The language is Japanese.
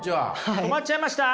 困っちゃいました？